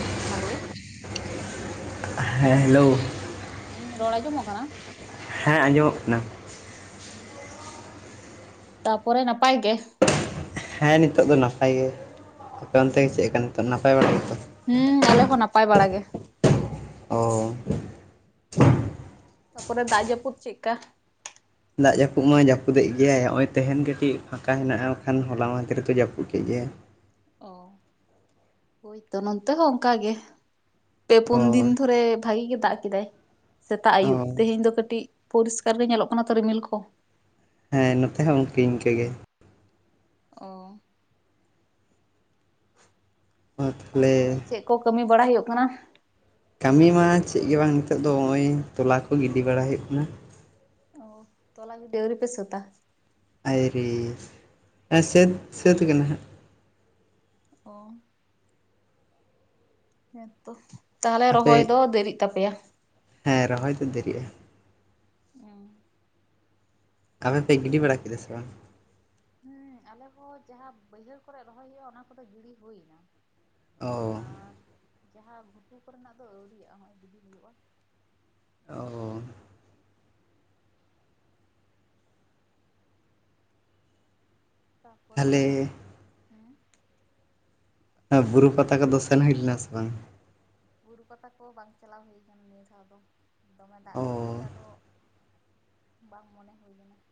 ᱦᱮᱸ ᱦᱟᱞᱳᱼᱼ [unintelligible] ᱦᱮᱸ ᱦᱮᱞᱳ ᱦᱩᱸ ᱨᱚᱲ ᱟᱸᱡᱚᱢᱚᱜ ᱠᱟᱱᱟ? ᱦᱮᱸ ᱟᱸᱡᱚᱢᱚᱜ ᱠᱟᱱᱟ ᱾ ᱛᱟᱯᱚᱨᱮ ᱱᱟᱯᱟᱭ ᱜᱮ ᱾ ᱦᱮᱸ ᱱᱤᱛᱚᱜ ᱫᱚ ᱱᱟᱯᱟᱭ ᱜᱮ, ᱟᱯᱮ ᱚᱱᱛᱮ ᱜᱮ ᱦᱩᱸ ᱪᱮᱫ ᱠᱟ ᱱᱤᱛᱚᱜ ᱱᱟᱯᱟᱭ ᱵᱟᱲᱟ ᱜᱮᱛᱚ? ᱦᱩᱸ ᱟᱞᱮ ᱦᱚᱸ ᱱᱟᱯᱟᱭ ᱵᱟᱲᱟ ᱜᱮ ᱾ ᱚᱻ ᱛᱟ ᱯᱚᱨᱮ ᱫᱟᱜ ᱡᱟᱯᱩᱫ ᱪᱮᱫᱠᱟ? ᱫᱟᱜ ᱡᱟᱯᱩᱫ ᱢᱟᱭ ᱡᱟᱯᱩᱫ ᱮᱫ ᱜᱮᱭᱟᱭ, ᱱᱚᱜᱼᱚᱭ ᱛᱮᱦᱮᱧ ᱠᱟᱹᱴᱤᱪ ᱯᱷᱟᱸᱠᱟ ᱦᱮᱱᱟᱜᱼᱟ ᱠᱷᱟᱱ ᱦᱚᱞᱟ ᱢᱟᱫᱷᱮᱨ ᱫᱚ ᱡᱟᱹᱯᱩᱫ ᱠᱮᱫ ᱜᱮᱭᱟᱭ ᱾ ᱚ ᱦᱳᱭ ᱛᱚ ᱱᱚᱱᱛᱮ ᱦᱚᱸ ᱚᱱᱠᱟ ᱜᱮ ᱾ ᱯᱮ ᱚ ᱯᱩᱱ ᱫᱤᱱ ᱫᱷᱚᱨᱮ ᱵᱷᱟᱹᱜᱤ ᱜᱮ ᱫᱟᱜ ᱠᱮᱫᱟᱭ, ᱥᱮᱛᱟᱜ ᱚ ᱟᱭᱩᱵ ᱛᱮᱦᱮᱧ ᱫᱚ ᱠᱟᱹᱴᱤᱪ ᱯᱚᱨᱤᱥᱠᱟᱨ ᱜᱮ ᱧᱮᱞᱚᱜ ᱠᱟᱱᱟ ᱛᱚ ᱨᱤᱢᱤᱞ ᱠᱚ ᱾ ᱦᱮᱸ ᱱᱚᱛᱮ ᱦᱚᱸ ᱤᱱᱠᱟ. ᱤᱱᱠᱟᱹ ᱜᱮ ᱾ ᱚ ᱚ ᱛᱟ ᱛᱟᱦᱚᱞᱮ ᱯᱚᱨᱮ ᱪᱮᱫ ᱠᱚ ᱠᱟᱹᱢᱤ ᱵᱟᱲᱟᱭ ᱦᱩᱭᱩᱜ ᱠᱟᱱᱟ? ᱠᱟᱹᱢᱤ ᱢᱟ ᱪᱮᱫ ᱜᱮ ᱵᱟᱝ ᱱᱤᱛᱚᱜ ᱫᱚ ᱱᱚᱜᱼᱚᱭ ᱛᱚᱞᱟ ᱠᱚ ᱜᱤᱰᱤ ᱵᱟᱲᱟ ᱦᱩᱭᱩᱜ ᱠᱟᱱᱟ ᱾ ᱚ ᱛᱚᱞᱟ ᱜᱤᱰᱤ ᱟᱣᱹᱨᱤ ᱯᱮ ᱥᱟᱹᱛᱼᱟ? ᱟᱭᱨᱤ ᱥᱟᱹᱛ ᱥᱟᱹᱛ ᱠᱟᱱᱟ ᱦᱟᱸᱜ ᱚ ᱦᱮᱸ ᱛᱚ, ᱛᱟᱦᱚᱞᱮ ᱟᱯᱮ ᱨᱚᱦᱚᱭ ᱫᱚ ᱫᱮᱨᱤᱜ ᱛᱟᱯᱮᱭᱟ ᱦᱮᱸ ᱨᱚᱦᱚᱭ ᱫᱚ ᱫᱮᱨᱤᱜᱼᱟ ᱾ [unintelligible] ᱟᱯᱮ ᱯᱮ ᱜᱤᱰᱤ ᱵᱟᱲᱟ ᱠᱮᱫᱟ ᱥᱮ ᱵᱟᱝ? ᱦᱩᱸ ᱟᱞᱮ ᱦᱚᱸ ᱡᱟᱦᱟᱸ ᱵᱟᱹᱭᱦᱟᱹᱲ ᱠᱚᱨᱮ ᱨᱚᱦᱚᱭ ᱦᱩᱭᱩᱜᱼᱟ, ᱚᱱᱟ ᱠᱚᱫᱚ ᱜᱤᱰᱤ ᱦᱩᱭ ᱱᱟ ᱚ ᱟᱨ ᱡᱟᱦᱟᱸ ᱜᱷᱩᱴᱩ ᱠᱚᱨᱮᱱᱟᱜ ᱫᱚ ᱟᱹᱣᱨᱤᱭᱟᱜᱼᱟ ᱦᱚᱸᱜᱼᱚᱭ ᱤᱫᱤ ᱦᱩᱭᱩᱜᱼᱟ ᱾ ᱚᱻ ᱛᱟ ᱯᱚᱨᱮ ᱛᱟᱦᱚᱞᱮ ᱵᱩᱨᱩ ᱯᱟᱛᱟ ᱠᱚᱫᱚ ᱥᱮᱱ ᱦᱩᱭ ᱞᱮᱱᱟ ᱵᱟᱝ? ᱵᱩᱨᱩ ᱯᱟᱛᱟ ᱠᱚ ᱵᱟᱝ ᱪᱟᱞᱟᱣ ᱦᱩᱭ ᱠᱟᱱᱟ ᱱᱤᱭᱟᱹ ᱫᱷᱟᱣ ᱫᱚ ᱾ ᱫᱚᱢᱮ ᱫᱟᱜ ᱠᱷᱟᱹᱛᱤᱨ ᱚ ᱛᱮ ᱟᱫᱚ ᱵᱟᱝ ᱢᱚᱱᱮ ᱦᱩᱭ ᱞᱮᱱᱟ ᱾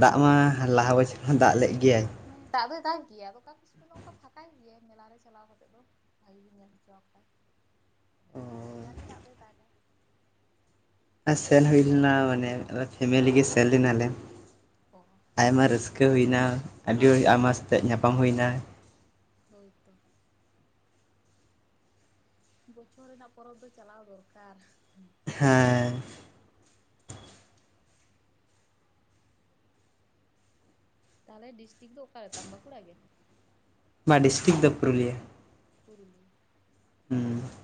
ᱫᱟᱜ ᱢᱟ ᱞᱟᱦᱟ ᱵᱚᱪᱷᱚᱨ ᱦᱚᱸ ᱫᱟᱜ ᱞᱮᱜ ᱜᱮᱭᱟᱭ ᱦᱮᱸ ᱫᱟᱜ ᱫᱚᱭ ᱫᱟᱜ ᱜᱮᱭᱟ, ᱟᱫᱚ ᱚᱠᱟ ᱠᱚᱥᱮᱪ ᱫᱚ ᱚᱱᱠᱟ ᱯᱷᱟᱸᱠᱟᱭ ᱜᱮᱭᱟᱭ ᱢᱮᱞᱟ ᱨᱮ ᱪᱟᱞᱟᱣ ᱠᱟᱛᱮᱜ ᱫᱚ ᱾ ᱵᱷᱟᱜᱤ ᱜᱮ ᱧᱮᱞ ᱦᱚᱪᱚ ᱠᱚᱭᱟᱭ, ᱯᱨᱚᱛᱤ ᱵᱟᱨ ᱜᱮ ᱫᱟᱜ ᱫᱚ ᱫᱟᱜᱟ ᱥᱮᱱ ᱦᱩᱭ ᱞᱮᱱᱟ ᱢᱟᱱᱮ ᱯᱷᱮᱢᱮᱞᱤ ᱜᱮ ᱥᱮᱱ ᱞᱮᱱᱟᱞᱮ ᱚ ᱟᱭᱢᱟ ᱨᱟᱹᱥ ᱠᱟᱹ ᱦᱩᱭ ᱱᱟ, ᱟᱹᱰᱤ ᱟᱭᱢᱟ ᱥᱟᱛᱮᱫ ᱧᱟᱯᱟᱢ ᱦᱩᱭ ᱱᱟ ᱾ ᱦᱳᱭ ᱛᱚ ᱾ ᱵᱚᱪᱷᱚᱨ ᱨᱮᱱᱟᱜ ᱯᱚᱨᱚᱵᱽ ᱫᱚ ᱪᱟᱞᱟᱣ ᱫᱚᱨᱠᱟᱨ, ᱧᱮᱞ ᱦᱮᱸ ᱫᱚᱨᱠᱟᱨ ᱾ ᱛᱟᱦᱚᱞᱮ ᱰᱤᱥᱴᱤᱠ ᱫᱚ ᱚᱠᱟᱨᱮ ᱛᱟᱢ ᱵᱟᱠᱩᱲᱟ ᱜᱮ ᱵᱟ ᱰᱤᱥᱴᱤᱠ ᱫᱚ ᱯᱩᱨᱩᱞᱤᱭᱟᱹ ᱾ ᱯᱩᱨᱩᱞᱤᱭᱟᱹ ᱦᱩᱸ ᱾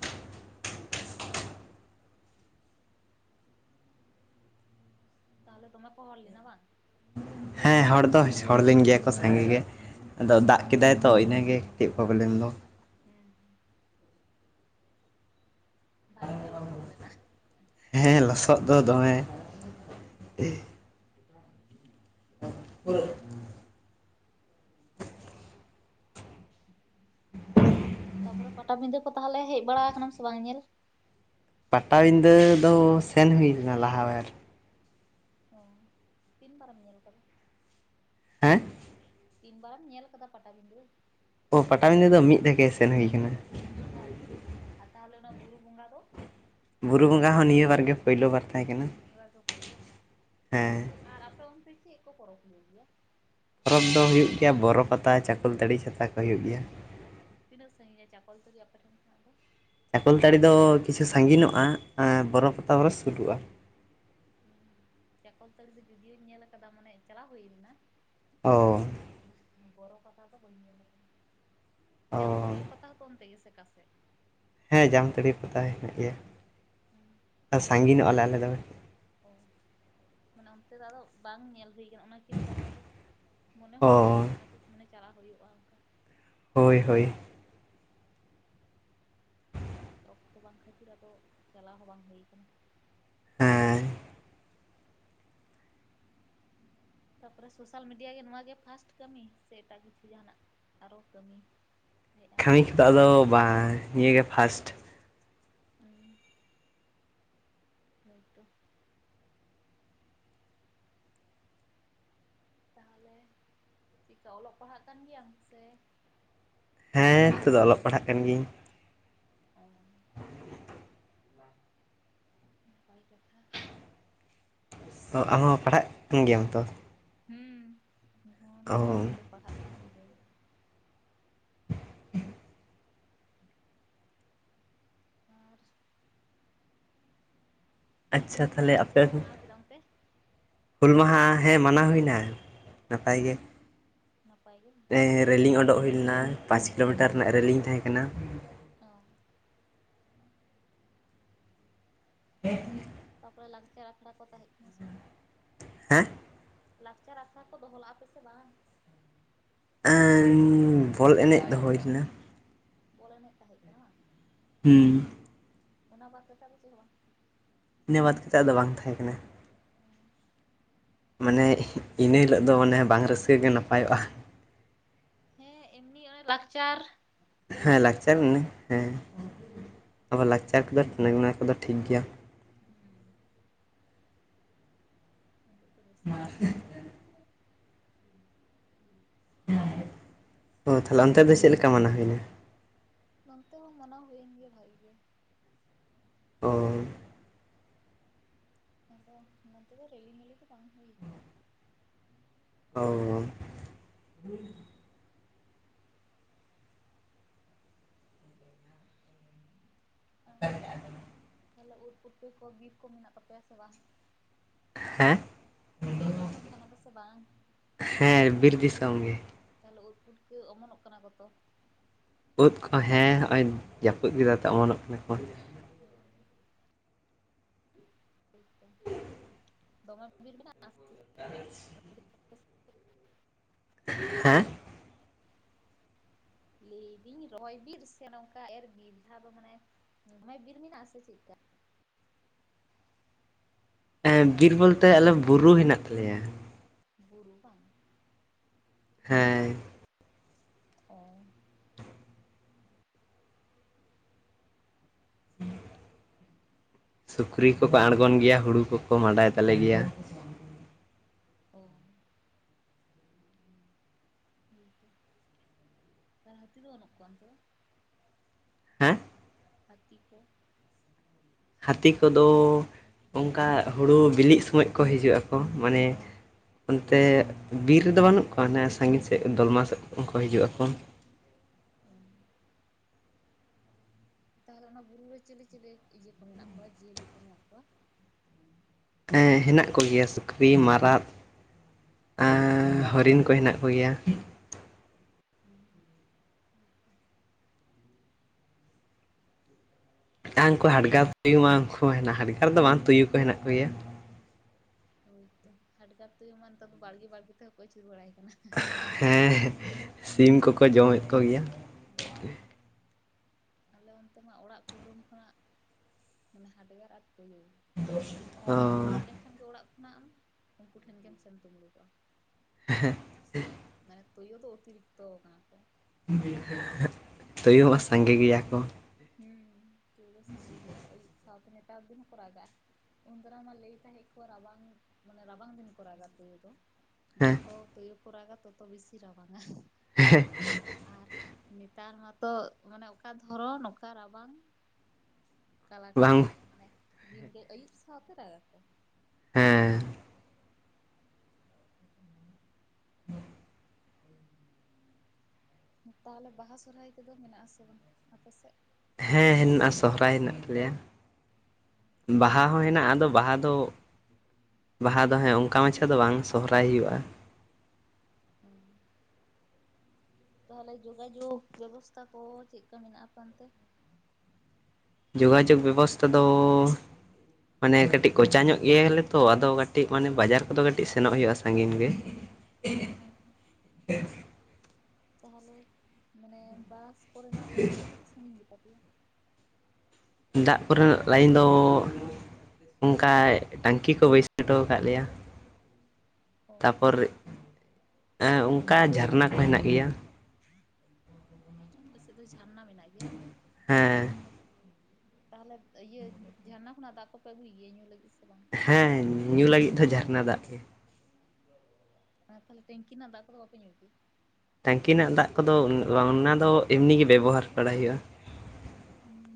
ᱛᱟᱦᱚᱞᱮ ᱫᱚᱢᱮ ᱠᱚ ᱦᱚᱲ ᱞᱮᱱᱟ ᱵᱟᱝ? ᱦᱮᱸ ᱦᱚᱲ ᱫᱚ ᱦᱚᱲ ᱞᱮᱧ ᱜᱮᱭᱟ ᱠᱚ ᱥᱟᱸᱜᱮ ᱜᱮ ᱾ ᱟᱫᱚ ᱫᱟᱜ ᱠᱮᱫᱟᱭ ᱛᱚ, ᱤᱱᱟᱹᱜᱮ ᱠᱟᱹᱴᱤᱡ ᱯᱨᱚᱵᱞᱮᱢ ᱫᱚ ᱾ [inaudible] ᱵᱷᱟᱹᱜᱤ ᱜᱮ ᱞᱚᱥᱚᱫ ᱞᱮᱱᱟ, ᱦᱮᱸ ᱞᱚᱥᱚᱫ ᱫᱚ ᱞᱚᱥᱚᱫ ᱫᱚᱢᱮ ᱫᱚ [unintelligible] [unintelligible] [inaudible] ᱛᱟ ᱯᱚᱨᱮ ᱯᱟᱴᱟᱵᱤᱸᱫᱟᱹ ᱠᱚ ᱛᱟᱦᱚᱞᱮ ᱦᱮᱡ ᱵᱟᱲᱟ ᱟᱠᱟᱱᱟᱢ ᱥᱮ ᱵᱟᱝ ᱧᱮᱞ? ᱯᱟᱴᱟᱵᱤᱸᱫᱟᱹ ᱫᱚ ᱥᱮᱱ ᱦᱩᱭ ᱞᱮᱱᱟ ᱞᱟᱦᱟ ᱵᱟᱨ ᱾ ᱚ ᱛᱤᱱ ᱵᱟᱨᱮᱢ ᱧᱮᱞ ᱟᱠᱟᱫᱟ? ᱦᱮᱸ ᱛᱤᱱ ᱵᱟᱨᱮᱢ ᱧᱮᱞ ᱟᱠᱟᱫᱟ ᱯᱟᱴᱟ ᱵᱤᱫᱷᱟᱹ? ᱚ ᱯᱟᱴᱟᱵᱤᱫᱟᱹ ᱫᱚ ᱢᱤᱫ ᱫᱷᱟᱣ ᱜᱮ ᱥᱮᱱ ᱦᱩᱭ ᱟᱠᱟᱱᱟ᱾ ᱢᱤᱫ ᱟᱨ ᱛᱟᱦᱚᱞᱮ ᱚᱱᱟ ᱵᱩᱨᱩ ᱵᱚᱸᱜᱟ ᱫᱚ ᱵᱩᱨᱩ ᱵᱚᱸᱜᱟ ᱦᱚᱸ ᱱᱤᱭᱟᱹ ᱵᱟᱨ ᱜᱮ ᱯᱳᱭᱞᱳ ᱵᱟᱨ ᱛᱟᱦᱮᱸ ᱠᱟᱱᱟ᱾ ᱱᱮᱭᱟ ᱵᱟᱨ ᱫᱚ ᱯᱳᱭᱞᱳ ᱵᱟᱝ ᱦᱮᱸ ᱟᱨ ᱟᱯᱮ ᱚᱱᱛᱮ ᱪᱮᱫ ᱠᱚ ᱯᱚᱨᱚᱵᱽ ᱦᱩᱭᱩᱜ ᱜᱮᱭᱟ? ᱯᱚᱨᱚᱵᱽ ᱫᱚ ᱦᱩᱭᱩᱜ ᱜᱮᱭᱟ ᱵᱚᱨᱚ ᱯᱟᱛᱟ ᱪᱟᱠᱚᱞ ᱛᱟᱹᱲᱤ ᱪᱷᱟᱛᱟ ᱠᱚ ᱦᱩᱭᱩᱜ ᱜᱮᱭᱟ᱾ ᱛᱤᱱᱟᱹᱜ ᱥᱟᱺᱤᱧᱟ ᱪᱟᱠᱚᱞ ᱛᱟᱹᱲᱤ ᱟᱯᱮ ᱴᱷᱮᱱ ᱠᱷᱚᱱᱟᱜ ᱫᱚ? ᱪᱟᱠᱚᱞ ᱛᱟᱹᱲᱤ ᱫᱚ ᱠᱤᱪᱷᱩ ᱥᱟᱺᱜᱤᱧᱚᱜᱼᱟ ᱟᱨ ᱵᱚᱨᱚ ᱯᱟᱛᱟ ᱵᱚᱨᱚᱢ ᱥᱩᱨᱩᱜᱼᱟ ᱾ ᱪᱟᱠᱚᱞ ᱛᱟᱹᱲᱤ ᱵᱷᱤᱰᱤᱭᱳᱧ ᱧᱮᱞ ᱠᱟᱫᱟ ᱢᱟᱱᱮ ᱪᱟᱞᱟᱣ ᱦᱩᱭ ᱞᱮᱱᱟ᱾ ᱚ ᱧᱮᱞ ᱵᱚᱨᱚ ᱯᱟᱛᱟ ᱫᱚ ᱵᱟᱹᱧ ᱧᱮᱞ ᱟᱠᱟᱫᱟ᱾ ᱚ ᱡᱟᱢᱛᱩᱲᱤᱭᱟᱹ ᱯᱟᱛᱟ ᱦᱚᱸᱛᱚ ᱚᱱᱛᱮ ᱜᱮ ᱥᱮ ᱚᱠᱟ ᱥᱮᱫ? ᱦᱮᱸ ᱡᱟᱢᱛᱟᱲᱤᱭᱟᱹ ᱯᱟᱛᱟ ᱦᱮᱱᱟᱜ ᱜᱮᱭᱟ ᱟᱨ ᱥᱟᱺᱜᱤᱧᱚᱜᱼᱟ ᱞᱮ ᱟᱞᱮ ᱫᱚ᱾ ᱚ ᱢᱟᱱᱮ ᱚᱱᱛᱮ ᱫᱚ ᱟᱫᱚ ᱵᱟᱝ ᱧᱮᱞ ᱦᱩᱭᱩᱜᱼᱟ᱾ ᱚᱱᱟ ᱠᱤᱱ ᱯᱟᱛᱟ ᱫᱚ ᱢᱚᱱᱮ ᱚ ᱦᱩᱭᱩᱜ ᱜᱮᱭᱟ ᱡᱟᱦᱟᱸ ᱛᱤᱥ ᱢᱟᱱᱮ ᱪᱟᱞᱟᱣ ᱦᱩᱭᱩᱜᱼᱟ᱾ ᱦᱳᱭ ᱦᱳᱭ ᱚᱠᱛᱚ ᱵᱟᱝ ᱠᱷᱟᱹᱛᱤᱨ ᱟᱫᱚ ᱪᱟᱞᱟᱣ ᱦᱚᱸ ᱵᱟᱝ ᱦᱩᱭ ᱠᱟᱱᱟ᱾ ᱦᱮᱸ ᱛᱟᱨᱯᱚᱨᱮ ᱥᱳᱥᱟᱞ ᱢᱤᱰᱤᱭᱟ ᱜᱮ ᱱᱚᱣᱟ ᱜᱮ ᱯᱷᱟᱥᱴ ᱠᱟᱹᱢᱤ ᱥᱮ ᱮᱴᱟᱜ ᱠᱤᱪᱷᱩ ᱡᱟᱦᱟᱱᱟᱜ? ᱟᱨᱚ ᱠᱟᱹᱢᱤ [unintelligible] ᱠᱟᱹᱢᱤ ᱠᱚᱫᱟ ᱟᱫᱚ ᱵᱟᱝ ᱱᱤᱭᱟᱹ ᱜᱮ ᱯᱷᱟᱥᱴ [inaudible] ᱦᱮᱭᱛᱚ ᱛᱟᱦᱚᱞᱮ ᱪᱮᱫᱠᱟ ᱚᱞᱚᱜ ᱯᱟᱲᱦᱟᱜ ᱠᱟᱱ ᱜᱮᱭᱟᱢ ᱥᱮ ᱦᱮᱸ ᱱᱤᱛᱚᱜ ᱫᱚ ᱚᱞᱚᱜ ᱯᱟᱲᱦᱟᱜ ᱠᱟᱱ ᱜᱤᱭᱟᱹᱧ᱾ [unintelligible] [unintelligible] ᱛᱚ ᱟᱢᱦᱚᱸ ᱯᱟᱲᱦᱟᱜ ᱠᱟᱱ ᱜᱮᱭᱟᱢ ᱛᱚ ᱦᱩᱸ, ᱤᱧ ᱚ ᱱᱤᱭᱟᱹ ᱨᱮᱫᱚ ᱯᱟᱲᱦᱟᱜ ᱠᱟᱱ ᱜᱤᱭᱟᱹᱧ [inaudible] ᱟᱨ ᱛᱚᱵᱮ ᱟᱪᱪᱷᱟ ᱦᱩᱞ ᱢᱟᱦᱟ ᱛᱟᱦᱚᱞᱮ ᱪᱮᱫ ᱟᱯᱮ [unintelligible] ᱦᱩᱞ ᱢᱟᱦᱟ ᱦᱮᱸ ᱢᱟᱱᱟᱣ ᱦᱩᱭᱱᱟ ᱱᱟᱯᱟᱭ ᱜᱮ᱾ ᱱᱟᱯᱟᱭ ᱜᱮ᱾ ᱦᱮᱸ ᱨᱮᱞᱤᱝ ᱚᱸᱰᱚᱜ ᱦᱩᱭ ᱞᱮᱱᱟ ᱯᱟᱸᱪ ᱠᱤᱞᱳᱢᱤᱴᱟᱨ ᱨᱮᱱᱟᱜ ᱨᱮᱞᱤᱝ ᱛᱟᱦᱮᱸ ᱠᱟᱱᱟ᱾ ᱚ [inaudible] ᱛᱟᱯᱚᱨᱮ ᱞᱟᱠᱪᱟᱨ ᱟᱠᱷᱲᱟ ᱠᱚ ᱛᱟᱦᱮᱸ ᱠᱟᱱᱟ ᱥᱮ ᱦᱮᱸ ᱞᱟᱠᱪᱟᱨ ᱟᱠᱷᱲᱟ ᱠᱚ ᱫᱚᱦᱚᱞᱟᱜᱼᱟ ᱯᱮᱥᱮ ᱵᱟᱝ? ᱮᱸ ᱵᱚᱞ ᱮᱱᱮᱡ ᱫᱚ ᱦᱩᱭ ᱞᱮᱱᱟ᱾ ᱵᱚᱞ ᱮᱱᱮᱡ ᱛᱟᱦᱮᱸᱜ ᱠᱟᱱᱟ ᱵᱟᱝ? ᱦᱩᱸ, ᱚᱱᱟ ᱵᱟᱫᱽ ᱠᱟᱛᱮ ᱟᱫᱚ ᱪᱮ ᱼᱦᱚ ᱵᱟᱝ? ᱤᱱᱟᱹ ᱵᱟᱫᱽ ᱠᱟᱛᱮᱫ ᱟᱫᱚ ᱵᱟᱝ ᱛᱟᱦᱮᱸ ᱠᱟᱱᱟ᱾ ᱵᱟᱝ ᱢᱟᱱᱮ ᱤᱱᱟᱹ ᱦᱤᱞᱳᱜ ᱫᱚ ᱢᱟᱱᱮ ᱵᱟᱝ ᱨᱟᱹᱥᱠᱟ ᱜᱮ ᱱᱟᱯᱟᱭᱚᱜᱼᱟ᱾ ᱦᱮᱸ ᱮᱢᱱᱤ ᱚᱱᱮ ᱞᱟᱠᱪᱟᱨ? ᱦᱮᱸ ᱨᱮᱱᱟᱜ ᱡᱟᱦᱟᱸ ᱞᱟᱠᱪᱟᱨ ᱟᱵᱚ ᱚᱱᱮ, ᱤᱭᱟᱹ ᱠᱚ ᱦᱮᱸ ᱨᱮᱱᱟᱜ ᱟᱵᱟᱨ ᱞᱟᱠᱪᱟᱨ ᱠᱚᱫᱚ ᱚᱱᱮ ᱚᱱᱟ ᱠᱚᱫᱚ ᱴᱷᱤᱠ ᱜᱮᱭᱟ᱾ ᱦᱩᱸ, ᱨᱟᱹᱥᱠᱟᱹ ᱫᱤᱱ ᱫᱚ ᱵᱟᱝ ᱠᱟᱱᱟ ᱥᱮ ᱚ ᱛᱟᱦᱚᱞᱮ ᱚᱱᱛᱮ ᱫᱚ ᱪᱮᱫᱞᱮᱠᱟ ᱢᱟᱱᱟᱣ ᱦᱩᱭᱱᱟ᱾ ᱱᱚᱱᱛᱮ ᱦᱚᱸ ᱢᱟᱱᱟᱣ ᱦᱳᱭᱮᱱ ᱜᱮᱭᱟ ᱵᱷᱟᱜᱮ ᱜᱮ᱾ ᱚ, ᱟᱫᱚ ᱱᱚᱛᱮ ᱫᱚ ᱨᱮᱞᱤ ᱢᱤᱞᱤ ᱫᱚ ᱵᱟᱝ ᱦᱩᱭ ᱠᱟᱱᱟ᱾ ᱚ, ᱚ, ᱛᱟᱦᱚᱞᱮ ᱩᱫ ᱯᱩᱴᱠᱟᱹ ᱠᱚ ᱵᱤᱨ ᱠᱚ ᱢᱮᱱᱟᱜ ᱛᱟᱯᱮᱭᱟ ᱥᱮ ᱵᱟᱝ? ᱦᱮᱸ? ᱵᱤᱨ ᱫᱤᱥᱚᱢ ᱠᱟᱱᱟ ᱯᱮᱥᱮ ᱵᱟᱝ? ᱦᱮᱸ ᱵᱤᱨ ᱫᱤᱥᱚᱢ ᱜᱮ᱾ ᱛᱟᱦᱚᱞᱮ ᱩᱫ ᱯᱩᱴᱠᱟᱹ ᱚᱢᱚᱱᱚᱜ ᱠᱟᱱᱟ ᱠᱚᱛᱚ᱾ ᱩᱫ ᱠᱚ ᱦᱮᱸ, ᱦᱚᱜᱼᱚᱭ ᱡᱟᱹᱯᱩᱫ ᱠᱮᱫᱟ ᱛᱚ ᱚᱢᱚᱱᱚᱜ ᱠᱟᱱᱟ ᱠᱚ᱾ ᱦᱮᱸ, [unintelligible] [inaudible] ᱫᱚᱢᱮ ᱵᱤᱨ ᱢᱮᱱᱟᱜᱼᱟᱥᱮ? [unintelligible] [unintelligible] ᱦᱮᱸ, ᱞᱟᱹᱭᱫᱤᱹᱧ ᱨᱚᱦᱚᱭ ᱵᱤᱨ ᱥᱮ ᱱᱚᱝᱠᱟ ᱮᱨ ᱵᱤᱨ ᱡᱟᱦᱟ ᱫᱚ ᱢᱟᱱᱮ ᱵᱷᱚᱭ ᱵᱤᱨ ᱢᱮᱱᱟᱜ ᱟᱥᱮ ᱪᱮᱜᱠᱟ? ᱮᱸᱵᱤᱨ ᱵᱚᱞᱛᱮ ᱟᱞᱮ ᱵᱩᱨᱩ ᱦᱮᱱᱟᱜ ᱛᱟᱞᱮᱭᱟ᱾ ᱵᱩᱨᱩ ᱵᱟᱝ? ᱦᱮᱸ᱾ ᱚ, ᱥᱩᱠᱨᱤ ᱠᱚᱠᱚ ᱵᱩᱨᱩ ᱟᱬᱜᱚᱱ ᱜᱮᱭᱟ ᱫᱤᱥᱚᱢ ᱦᱩᱲᱩ ᱠᱚᱠᱚ ᱢᱟᱰᱟᱭ ᱛᱟᱞᱮ ᱜᱮᱭᱟ᱾ ᱚ, [unintelligible] ᱟᱨ ᱦᱟᱹᱛᱤ ᱫᱚ ᱵᱟᱹᱱᱩᱜ ᱠᱚᱣᱟ ᱚᱱᱛᱮ ᱫᱚ᱾ ᱦᱮᱸ, ᱦᱟᱛᱤ ᱠᱚ᱾ ᱦᱟᱛᱤ ᱠᱚᱫᱚ ᱚᱝᱠᱟ ᱦᱩᱲᱩ ᱵᱤᱞᱤᱜ ᱥᱚᱢᱚᱭ ᱠᱚ ᱦᱤᱡᱩᱜ ᱟᱠᱚ ᱢᱟᱱᱮ, ᱚᱱᱛᱮ ᱵᱤᱨ ᱨᱮᱫᱚ ᱵᱟᱹᱱᱩᱜ ᱠᱚᱣᱟ, ᱚᱱᱮ ᱥᱟᱺᱜᱤᱧ ᱥᱮᱫ ᱫᱚᱞᱢᱟ ᱥᱮᱫ ᱠᱷᱚᱱ ᱠᱚ ᱦᱤᱡᱩᱜ ᱟᱠᱚ᱾ ᱚ, ᱛᱟᱦᱚᱞᱮ ᱚᱱᱟ ᱵᱩᱨᱩ ᱨᱮ ᱪᱮᱞᱮ ᱪᱮᱞᱮ ᱤᱭᱟᱹ ᱠᱚ ᱢᱮᱱᱟᱜ ᱠᱚᱣᱟ ᱡᱤᱭᱟᱹᱞᱤ ᱠᱚ ᱢᱮᱱᱟᱜ ᱠᱚᱣᱟ᱾ ᱦᱮᱸ ᱦᱮᱸᱱᱟᱜ ᱠᱚᱜᱮᱭᱟ ᱥᱩᱠᱨᱤ ᱢᱟᱨᱟᱜ᱾ ᱟ, ᱦᱚᱨᱤᱱ ᱠᱚ ᱦᱮᱱᱟᱜ ᱠᱚᱜᱮᱭᱟ᱾ [unintelligible] ᱟᱨ ᱩᱱᱠᱩ ᱦᱟᱰᱜᱟᱨ ᱛᱩᱭᱩ ᱢᱟ ᱩᱱᱠᱩ ᱦᱮᱸᱱᱟᱜ, ᱦᱟᱰᱜᱟᱨ ᱫᱚ ᱵᱟᱝ ᱛᱩᱭᱩ ᱦᱩᱸ ᱠᱚ ᱦᱮᱸᱱᱟᱜ ᱠᱚ ᱜᱮᱭᱟ᱾ ᱦᱳᱭ ᱛᱚ, ᱦᱟᱰᱜᱟᱨ ᱛᱳᱭᱳ ᱢᱟ ᱱᱮᱛᱟᱨ ᱫᱚ ᱵᱟᱲᱜᱮ ᱵᱟᱲᱜᱮ ᱛᱮᱦᱚᱸᱠᱚ ᱟᱪᱩᱨ ᱵᱟᱲᱟᱭ ᱠᱟᱱᱟ᱾ ᱦᱮᱸ ᱥᱤᱢ ᱠᱚᱠᱚ ᱡᱚᱢᱮᱫ ᱠᱚᱜᱮᱭᱟ ᱾ [inaudible] ᱟᱞᱮ ᱚᱱᱛᱮ ᱢᱟ ᱚᱲᱟᱜ ᱠᱩᱰᱩᱢ ᱠᱷᱚᱱᱟᱜ, ᱢᱟᱱᱮ ᱦᱟᱰᱜᱟᱨ ᱟᱨ ᱛᱩᱭᱩ ᱚ ᱩᱰᱩᱠ ᱞᱮᱱᱠᱷᱟᱱ ᱜᱮ ᱚᱲᱟᱜ ᱠᱷᱚᱱᱟᱜ ᱟᱢ, ᱩᱱᱠᱩ ᱴᱷᱮᱱ ᱜᱮᱢ ᱥᱮᱱ ᱫᱩᱢᱲᱩᱠᱚᱜᱼᱟ ᱾ ᱦᱮᱸ ᱾ ᱢᱟᱱᱮ ᱛᱩᱭᱩ ᱛᱚ ᱚᱛᱤᱨᱤᱠᱛᱚ ᱟᱠᱟᱱᱟ ᱠᱚ ᱾ ᱛᱩᱭᱩ ᱦᱚᱸ ᱥᱟᱸᱜᱮ ᱜᱮᱭᱟ ᱠᱚ ᱦᱩᱸ ᱛᱩᱭᱩ ᱥᱟᱹᱜᱮ ᱜᱮᱭᱟ ᱠᱚ ᱟᱹᱭᱩᱵ ᱥᱟᱶᱛᱮ ᱱᱮᱛᱟᱨ ᱫᱤᱱ ᱦᱚᱸ ᱠᱚ ᱨᱟᱜᱟ ᱾ ᱩᱱ ᱫᱟᱨᱟᱢ ᱢᱟ ᱞᱟᱹᱭ ᱛᱟᱦᱮᱸᱫᱟ ᱠᱚ ᱨᱟᱵᱟᱝ, ᱢᱟᱱᱮ ᱨᱟᱵᱟᱝ ᱫᱤᱱ ᱠᱚ ᱨᱟᱜᱟ ᱛᱩᱭᱩ ᱫᱚ ᱦᱮᱸ ᱡᱚᱛᱚ ᱛᱩᱭᱩ ᱠᱚ ᱨᱟᱜᱟ ᱛᱚᱛᱚ ᱵᱤᱥᱤ ᱨᱟᱵᱟᱝᱼᱟ ᱾ ᱦᱮᱸ ᱾ ᱟᱨ ᱱᱮᱛᱟᱨ ᱢᱟᱛᱚ ᱢᱟᱱᱮ ᱚᱠᱟ ᱫᱷᱚᱨᱚᱱ ᱚᱠᱟ ᱨᱟᱵᱟᱝ ᱠᱟᱞᱟᱠᱟᱞ ᱵᱟᱝ ᱵᱟᱹᱱᱩᱜᱼᱟ, ᱢᱟᱱᱮ ᱫᱤᱱ ᱜᱮ ᱟᱹᱭᱩᱵ ᱥᱟᱶᱛᱮ ᱨᱟᱜᱟ ᱠᱚ ᱾ ᱦᱮᱸ ᱾ [unintelligible] ᱛᱟᱦᱚᱞᱮ ᱵᱟᱦᱟ ᱥᱚᱦᱚᱨᱟᱭ ᱠᱚ ᱫᱚ ᱢᱮᱱᱟᱜ ᱟᱥᱮ ᱵᱟᱝ ᱟᱯᱮ ᱥᱮᱫ? ᱦᱮᱸ ᱦᱮᱱᱟᱜᱼᱟ ᱥᱚᱦᱚᱨᱟᱭ ᱦᱮᱱᱟᱜ ᱛᱟᱞᱮᱭᱟ ᱾ ᱵᱟᱦᱟ ᱦᱚᱸ ᱦᱮᱱᱟᱜᱼᱟ, ᱟᱫᱚ ᱵᱟᱦᱟ ᱫᱚ ᱵᱟᱦᱟ ᱫᱚ ᱦᱮᱸ ᱚᱱᱠᱟ ᱢᱟᱪᱷᱟ ᱫᱚ ᱵᱟᱝ ᱥᱚᱦᱚᱨᱟᱭ ᱦᱩᱭᱩᱜᱼᱟ ᱾ ᱦᱩᱸ ᱾ ᱛᱟᱦᱚᱞᱮ ᱡᱚᱜᱟᱡᱳᱜᱽ ᱵᱮᱵᱚᱥᱛᱷᱟ ᱠᱚ ᱪᱮᱫ ᱞᱮᱠᱟ ᱢᱮᱱᱟᱜᱼᱟ ᱚᱱᱛᱮ? ᱡᱚᱜᱟᱡᱳᱜᱽ ᱵᱮᱵᱚᱥᱛᱟ ᱫᱚ ᱢᱟᱱᱮ ᱠᱟᱹᱴᱤᱡ ᱠᱚᱪᱟ ᱧᱚᱜ ᱜᱮᱭᱟᱞᱮ ᱛᱚ, ᱟᱫᱚ ᱠᱟᱹᱴᱤᱡ ᱢᱟᱱᱮ ᱵᱟᱡᱟᱨ ᱠᱚᱫᱚ ᱠᱟᱹᱴᱤᱡ ᱥᱮᱱᱚᱜ ᱦᱩᱭᱩᱜᱼᱟ ᱥᱟᱺᱜᱤᱧ ᱜᱮ ᱾ ᱦᱮᱸ ᱾ ᱛᱟᱦᱚᱞᱮ ᱢᱟᱱᱮ ᱵᱟᱥ ᱠᱚᱨᱮᱱᱟᱜ ᱞᱟᱹᱭᱤᱱ ᱫᱚ ᱠᱟᱹᱴᱤᱡ ᱥᱟᱺᱜᱤᱧ ᱜᱮᱛᱟ ᱯᱮᱭᱟ ᱾ ᱫᱟᱜ ᱠᱚᱨᱮᱱᱟᱜ ᱞᱟᱭᱤᱱ ᱫᱚ ᱚᱱᱠᱟᱭ ᱴᱟᱹᱝᱠᱤ ᱠᱚ ᱵᱟᱹᱭᱥᱟᱣ ᱴᱚ ᱟᱠᱟᱫ ᱞᱮᱭᱟ ᱾ ᱚ ᱛᱟᱯᱚᱨ ᱚᱱᱠᱟ ᱡᱷᱟᱨᱱᱟ ᱠᱚ ᱦᱮᱱᱟᱜ ᱜᱮᱭᱟ ᱾ ᱟᱯᱮ ᱥᱮᱫ ᱫᱚ ᱡᱷᱟᱨᱱᱟ ᱢᱮᱱᱟᱜ ᱜᱮᱭᱟ ᱵᱟᱝ? ᱦᱮᱸ ᱾ ᱛᱟᱦᱚᱞᱮ ᱤᱭᱟᱹ ᱡᱷᱟᱨᱱᱟ ᱠᱷᱚᱱᱟᱜ ᱫᱟᱜ ᱠᱚᱯᱮ ᱟᱹᱜᱩᱭ ᱜᱮᱭᱟ ᱧᱩ ᱞᱟᱹᱜᱤᱫ ᱥᱮ ᱵᱟᱝ? ᱦᱮᱸ ᱧᱩ ᱞᱟᱹᱜᱤᱫ ᱫᱚ ᱡᱷᱟᱨᱱᱟ ᱫᱟᱜ ᱜᱮ ᱾ ᱛᱟᱦᱚᱞᱮ ᱴᱮᱝᱠᱤ ᱨᱮᱱᱟᱜ ᱫᱟᱜ ᱠᱚᱫᱚ ᱵᱟᱯᱮ ᱧᱩᱭᱟ ᱠᱤ? ᱴᱟᱝᱠᱤ ᱨᱮᱱᱟᱜ ᱫᱟᱜ ᱠᱚᱫᱚ ᱚᱱᱟ ᱫᱚ ᱮᱢᱱᱤ ᱜᱮ ᱵᱮᱵᱚᱦᱟᱨ ᱵᱟᱲᱟᱭ ᱦᱩᱭᱩᱜᱼᱟ ᱾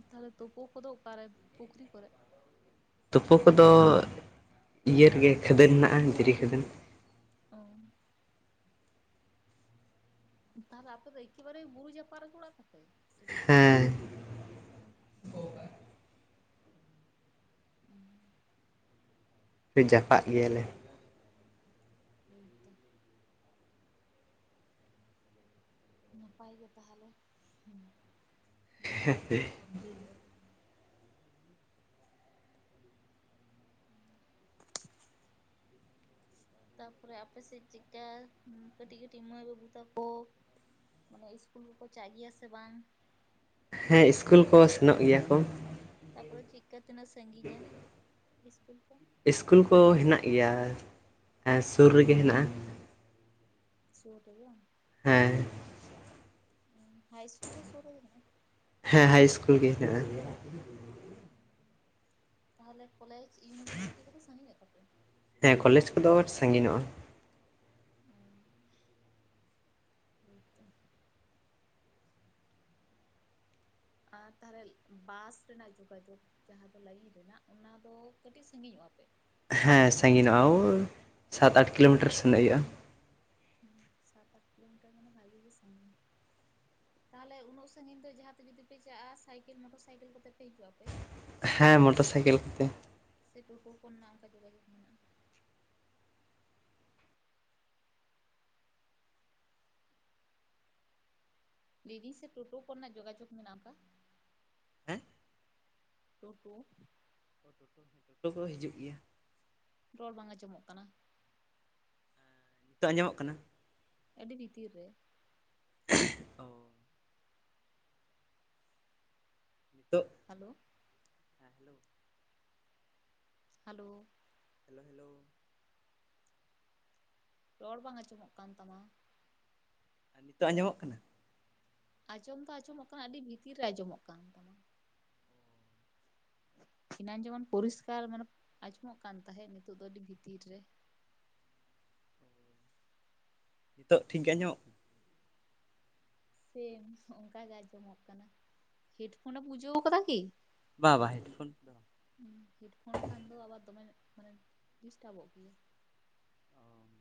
ᱛᱟᱦᱚᱞᱮ ᱛᱳᱯᱳ ᱠᱚ ᱫᱚ ᱚᱠᱟᱨᱮ ᱯᱩᱠᱷᱨᱤ ᱠᱚᱨᱮ? ᱛᱩᱯᱩ ᱠᱚᱫᱚ ᱤᱭᱟᱹ ᱨᱮᱜᱮ ᱠᱷᱟᱹᱫᱟᱹᱱ ᱦᱮᱱᱟᱜᱼᱟ ᱫᱷᱤᱨᱤ ᱠᱷᱟᱹᱫᱟᱹᱱ ᱾ ᱚᱸ ᱟᱫᱚ ᱟᱯᱮ ᱫᱚ ᱮᱠᱮᱵᱟᱨᱮ ᱵᱩᱨᱩ ᱡᱟᱯᱟᱜ ᱨᱮ ᱜᱮ ᱚᱲᱟᱜ ᱛᱟᱯᱮ ᱥᱮ ᱪᱮᱫ ᱞᱮᱠᱟ? ᱦᱮᱸ ᱦᱚᱭ ᱡᱟᱯᱟᱜ ᱜᱮᱭᱟᱞᱮ ᱾ ᱦᱮᱸ ᱛᱚ ᱾ ᱱᱟᱯᱟᱭ ᱜᱮ ᱛᱟᱦᱚᱞᱮ, ᱦᱩᱸ ᱵᱩᱨᱩ ᱡᱟᱯᱟᱜ ᱦᱚᱲ ᱠᱟᱱᱟᱯᱮ ᱾ ᱛᱟᱨᱯᱚᱨᱮ ᱟᱯᱮ ᱥᱮᱫ ᱪᱮᱠᱟ ᱠᱟᱹᱴᱤᱡ ᱠᱟᱹᱴᱤᱡ ᱢᱟᱹᱭ ᱵᱟᱹᱵᱩ ᱛᱟᱠᱚ ᱢᱟᱱᱮ ᱤᱥᱠᱩᱞ ᱠᱚ ᱪᱟᱜ ᱜᱮᱭᱟ ᱥᱮ ᱵᱟᱝ? ᱦᱮᱸ ᱤᱥᱠᱩᱞ ᱠᱚ ᱥᱮᱱᱚᱜ ᱜᱮᱭᱟ ᱠᱚ ᱾ ᱛᱟᱯᱚᱨᱮ ᱪᱤᱠᱟᱹ ᱛᱤᱱᱟᱹᱜ ᱥᱟᱺᱜᱤᱧᱟ ᱤᱥᱠᱩᱞ ᱠᱚ? ᱤᱥᱠᱩᱞ ᱠᱚ ᱦᱮᱱᱟᱜ ᱜᱮᱭᱟ ᱥᱩᱨ ᱨᱮᱜᱮ ᱦᱮᱱᱟᱜᱼᱟ ᱾ ᱥᱩᱨ ᱜᱮᱭᱟ? ᱦᱮᱸ ᱾ ᱦᱟᱭ ᱥᱠᱩᱞ ᱦᱚᱸ ᱥᱩᱨ ᱨᱮᱜᱮ? ᱦᱮᱸ ᱦᱟᱭ ᱤᱥᱠᱩᱞ ᱜᱮ [unintelligible] ᱛᱟᱦᱚᱞᱮ ᱠᱚᱞᱮᱡᱽ ᱤᱭᱩᱱᱤᱵᱷᱟᱨᱥᱤᱴᱤ ᱠᱚᱫᱚ ᱥᱟᱺᱜᱤᱧᱚᱜ ᱛᱟᱯᱮᱭᱟ? ᱦᱮᱸ ᱠᱚᱞᱮᱡᱽ ᱠᱚᱫᱚ ᱥᱟᱺᱜᱤᱧᱚᱜᱼᱟ ᱾ ᱦᱩᱸ ᱾ ᱦᱚᱭ ᱛᱚ ᱾ ᱟ ᱛᱟᱦᱞᱮ ᱵᱟᱥ ᱨᱮᱱᱟᱜ ᱡᱚᱜᱟ ᱡᱚᱜ ᱡᱟᱦᱟᱸ ᱫᱚ ᱞᱟᱭᱤᱱ ᱨᱮᱱᱟᱜ ᱚᱱᱟ ᱫᱚ ᱠᱟᱹᱴᱤᱡ ᱥᱟᱺᱜᱤᱧᱚᱜᱼᱟ ᱯᱮ? ᱦᱮᱸ ᱥᱟᱺᱜᱤᱧᱚᱜᱼᱟ ᱚᱭ ᱥᱟᱛ ᱟᱴ ᱠᱤᱞᱚᱢᱤᱴᱟᱨ ᱥᱮᱱᱚᱜ ᱦᱩᱭᱩᱜᱼᱟ ᱾ ᱦᱩᱸ ᱥᱟᱛ ᱟᱴ ᱠᱤᱞᱚᱢᱤᱴᱟᱨ ᱢᱟᱱᱮ ᱵᱷᱟᱜᱤ ᱜᱮ ᱥᱟᱺᱜᱤᱧᱟ ᱾ ᱛᱟᱦᱚᱞᱮ ᱩᱱᱟᱹᱜ ᱥᱟᱺᱜᱤᱧ ᱫᱚ ᱡᱟᱦᱟᱸᱛᱮ ᱡᱩᱫᱤ ᱯᱮ ᱪᱟᱜᱼᱟ ᱥᱟᱭᱠᱮᱞ ᱢᱚᱴᱚᱨ ᱥᱟᱭᱠᱮᱞ ᱠᱚᱛᱮ ᱯᱮ ᱦᱤᱡᱩᱜᱼᱟᱯᱮ? ᱦᱮᱸ ᱢᱚᱴᱚᱨ ᱥᱟᱭᱠᱮᱞ ᱠᱚᱛᱮ ᱾ ᱥᱮ [unintelligible] ᱨᱮᱱᱟᱜ ᱚᱱᱠᱟ ᱡᱚᱜᱟᱡᱚᱜᱽ ᱢᱮᱱᱟᱜᱼᱟ? ᱞᱤᱫᱤᱧ ᱥᱮ ᱴᱩᱴᱩ ᱠᱚᱨᱮᱱᱟᱜ ᱡᱚᱜᱟᱡᱚᱜᱽ ᱢᱮᱱᱟᱜᱼᱟ ᱚᱱᱠᱟ? ᱦᱮᱸ ᱴᱩ ᱴᱩ ᱾ ᱴᱩᱴᱩ ᱦᱮᱸ ᱴᱩ ᱠᱩ ᱫᱚ ᱦᱤᱡᱩᱜ ᱜᱮᱭᱟ ᱾ ᱨᱚᱲ ᱵᱟᱝ ᱟᱸᱡᱚᱢᱚᱜ ᱠᱟᱱᱟ ᱾ ᱛᱚᱜ ᱟᱸᱡᱚᱢᱚᱜ ᱠᱟᱱᱟ? ᱟᱹᱰᱤ ᱵᱷᱤᱛᱤᱨ ᱨᱮ ᱾ [unintelligible] ᱱᱤᱛᱚᱜ hello. Hello hello hello hello. ᱨᱚᱲ ᱵᱟᱝ ᱟᱸᱡᱚᱢᱚᱜ ᱠᱟᱱ ᱛᱟᱢᱟ ᱾ ᱱᱤᱛᱚᱜ ᱟᱸᱡᱚᱢᱚᱜ ᱠᱟᱱᱟ? ᱟᱸᱡᱚᱢ ᱫᱚ ᱟᱸᱡᱚᱢᱚᱜ ᱠᱟᱱᱟ ᱟᱹᱰᱤ ᱵᱷᱤᱛᱤᱨ ᱨᱮ ᱟᱸᱚᱢᱚᱜ ᱠᱟᱱ ᱛᱟᱢᱟ ᱾ ᱮᱱᱟᱝ ᱡᱮᱢᱚᱱ ᱯᱚᱨᱤᱥᱠᱟᱨ ᱢᱟᱱᱮ ᱟᱸᱡᱚᱢᱚᱜ ᱠᱟᱱ ᱛᱟᱦᱮᱸᱫ ᱱᱤᱛᱚᱜ ᱫᱚ ᱟᱹᱰᱤ ᱵᱷᱤᱛᱤᱨ ᱨᱮᱴ ᱱᱤᱛᱚᱜ ᱴᱷᱤᱠ ᱜᱮ ᱟᱧᱢᱚᱡᱚ ᱢᱚᱜ ᱥᱮᱢ ᱚᱱᱠᱟ ᱜᱮ ᱟᱸᱡᱚᱢᱚᱜ ᱠᱟᱱᱟ ᱦᱮᱰᱯᱷᱚᱱᱮᱢ ᱵᱩᱡᱷᱟᱹᱣ ᱟᱠᱟᱫᱟ ᱠᱤ? ᱵᱟ ᱵᱟ ᱦᱮᱰᱯᱷᱚᱱ? ᱦᱸ ᱦᱮᱰᱯᱷᱚᱱ ᱠᱷᱟᱱ ᱫᱚ ᱟᱣᱟᱡ ᱫᱚᱢᱮ ᱢᱟᱱᱮ ᱰᱤᱥᱴᱟᱵᱚᱜ ᱜᱮᱭᱟ ᱾ ᱚ